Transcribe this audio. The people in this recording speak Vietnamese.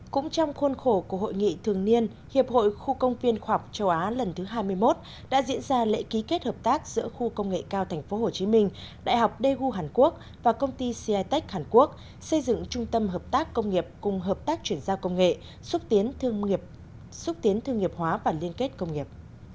cũng trong khuôn khổ của hội nghị thường niên hiệp hội khu công viên khoa học châu á lần thứ hai mươi một đã diễn ra lễ ký kết hợp tác giữa khu công nghệ cao tp hcm đại học daegu hàn quốc và công ty citech hàn quốc xây dựng trung tâm hợp tác công nghiệp cùng hợp tác chuyển giao công nghệ xúc tiến thương nghiệp hóa và liên kết công nghiệp